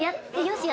「よし！！」